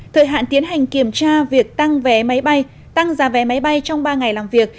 thời hạn tiến hành kiểm tra việc tăng vé máy bay tăng giá vé máy bay trong ba ngày làm việc